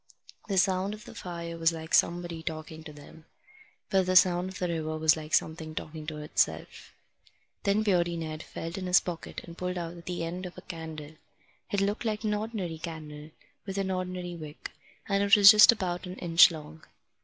The sound of the fire was like somebody talking to them. But the sound of the river was like something talking to itself. Then Beardy Ned felt in his pocket and pulled out the end of a candle. It looked like an ordinary candle, with an ordinary wick, and it was just about an inch long.